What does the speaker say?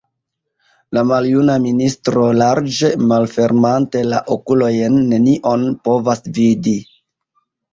La maljuna ministro, larĝe malfermante la okulojn, nenion povas vidi!